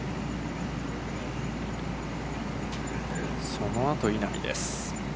そのあと、稲見です。